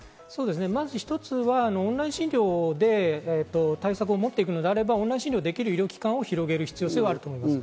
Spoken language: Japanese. まず一つはオンライン診療で対策を持って行くのであれば、オンライン診療ができる医療機関を広げる必要があります。